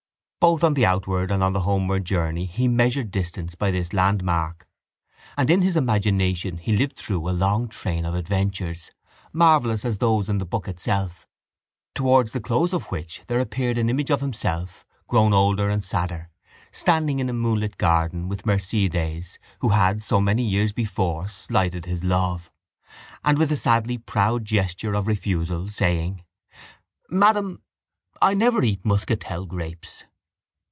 Both on the outward and on the homeward journey he measured distance by this landmark: and in his imagination he lived through a long train of adventures, marvellous as those in the book itself, towards the close of which there appeared an image of himself, grown older and sadder, standing in a moonlit garden with Mercedes who had so many years before slighted his love, and with a sadly proud gesture of refusal, saying: —Madam, I never eat muscatel grapes.